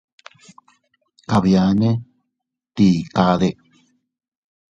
Kabianne, ¿tii kaʼde?.